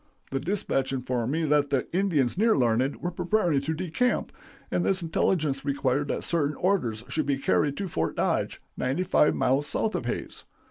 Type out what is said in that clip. The dispatch informed me that the Indians near Larned were preparing to decamp, and this intelligence required that certain orders should be carried to Fort Dodge, ninety five miles south of Hays.